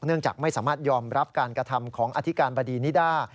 จากไม่สามารถยอมรับการกระทำของอธิการบดีนิด้า